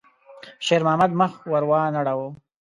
شېرمحمد مخ ور وانه ړاوه.